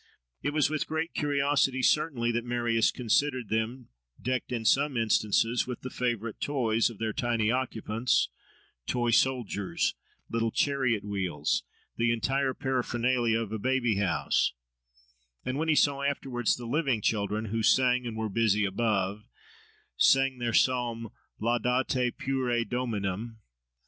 It was with great curiosity, certainly, that Marius considered them, decked in some instances with the favourite toys of their tiny occupants—toy soldiers, little chariot wheels, the entire paraphernalia of a baby house; and when he saw afterwards the living children, who sang and were busy above—sang their psalm Laudate Pueri Dominum!